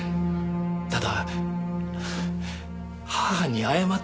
ただ母に謝ってほしい。